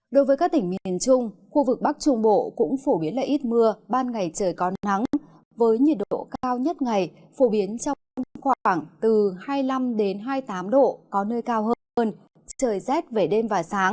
đối với các tỉnh miền trung khu vực bắc trung bộ cũng phổ biến là ít mưa ban ngày trời có nắng với nhiệt độ cao nhất ngày phổ biến trong khoảng từ hai mươi năm hai mươi tám độ có nơi cao hơn trời rét về đêm và sáng